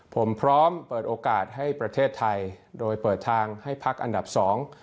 ผมพร้อมเปิดโอกาสให้ประเทศไทยโดยเปิดทางให้พักอันดับสอง